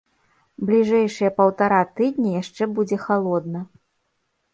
Бліжэйшыя паўтара тыдня яшчэ будзе халодна.